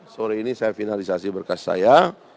sore ini saya finalisasi berkas saya